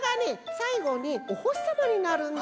さいごにおほしさまになるんだ。